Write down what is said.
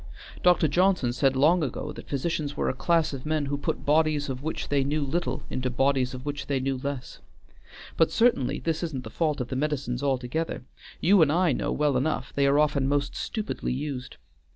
Dr. Johnson said long ago that physicians were a class of men who put bodies of which they knew little into bodies of which they knew less, but certainly this isn't the fault of the medicines altogether; you and I know well enough they are often most stupidly used.